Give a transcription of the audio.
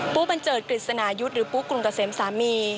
บันเจิดกฤษณายุทธ์หรือปุ๊กกลุ่มเกษมสามี